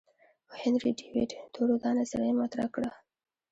هنري ډیویډ تورو دا نظریه مطرح کړه.